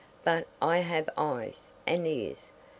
But I have eyes. And ears.